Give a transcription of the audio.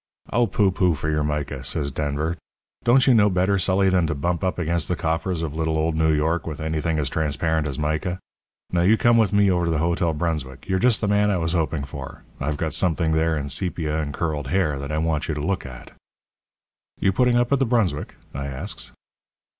"'Pooh, pooh! for your mica,' says Denver. 'Don't you know better, Sully, than to bump up against the coffers of little old New York with anything as transparent as mica? Now, you come with me over to the Hotel Brunswick. You're just the man I was hoping for. I've got something there in sepia and curled hair that I want you to look at.' "'You putting up at the Brunswick?' I asks.